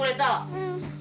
うん。